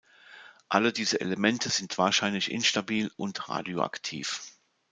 Alle diese Elemente sind wahrscheinlich instabil und radioaktiv.